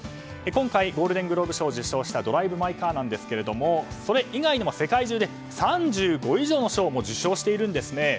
今回、ゴールデングローブ賞を受賞した「ドライブ・マイ・カー」ですがそれ以外でも世界中で３５以上の賞を受賞しているんですね。